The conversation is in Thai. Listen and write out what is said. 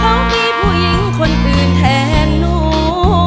น้องมีผู้หญิงคนอื่นแทนหนู